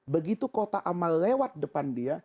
begitu kota amal lewat depan dia